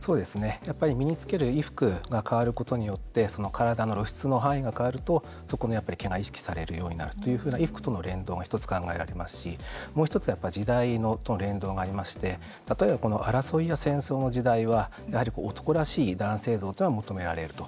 やっぱり身に着ける衣服が変わることによって体の露出の範囲が変わるとそこの毛が意識されるようになるという衣服との連動が１つ考えられますしもう１つ時代との連動もありまして例えば争いや戦争の時代はやはり男らしい男性像というのが求められると。